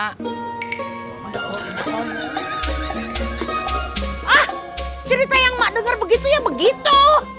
ah cerita yang ma denger begitu ya begitu